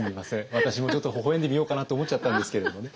私もちょっとほほ笑んでみようかなと思っちゃったんですけれどもね。